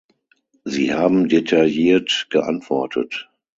Sie haben detailliert geantwortet.